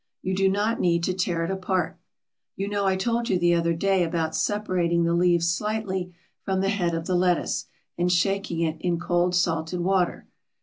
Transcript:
You do not need to tear it apart. You know I told you the other day about separating the leaves slightly from the head of the lettuce and shaking it in cold salted water.